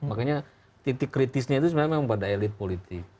makanya titik kritisnya itu sebenarnya memang pada elit politik